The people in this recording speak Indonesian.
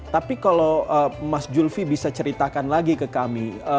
tapi kalau mas julvi bisa ceritakan lagi ke kami